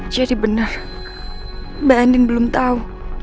jadi bener mbak andin belum tau